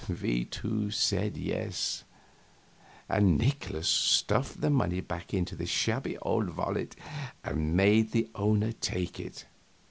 We two said yes, and Nikolaus stuffed the money back into the shabby old wallet and made the owner take it.